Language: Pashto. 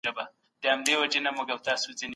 لال